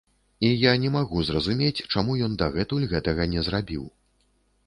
І я не магу зразумець, чаму ён дагэтуль гэтага не зрабіў.